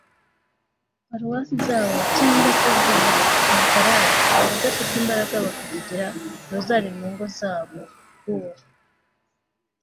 paruwasi zabo cyangwa se za santarali, abadafite imbaraga bakavugira rozari mu ngo zabo. uwo